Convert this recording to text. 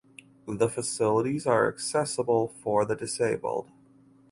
The facilities are accessible for the disabled.